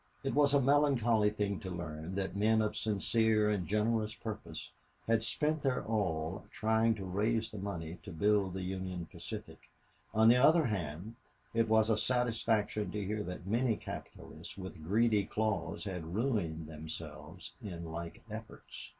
It was a melancholy thing to learn that men of sincere and generous purpose had spent their all trying to raise the money to build the Union Pacific; on the other hand, it was a satisfaction to hear that many capitalists with greedy claws had ruined themselves in like efforts.